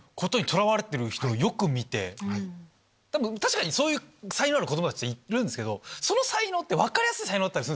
確かにそういう才能ある子供たちっているけどその才能って分かりやすい才能だったりする。